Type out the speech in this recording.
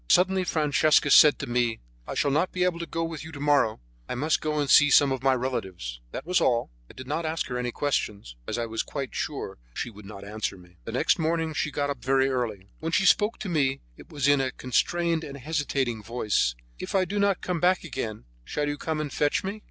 Suddenly Francesca said to me: "I shall not be able to go with you to morrow; I must go and see some of my relatives." That was all; I did not ask her any questions, as I was quite sure she would not answer me. The next morning she got up very early. When she spoke to me it was in a constrained and hesitating voice: "If I do not come back again, shall you come and fetch me?"